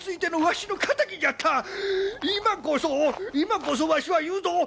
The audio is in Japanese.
今こそ今こそわしは言うぞ！